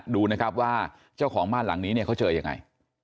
ดูนะครับว่าเจ้าของบ้านหลังนี้เนี่ยเขาเจอยังไง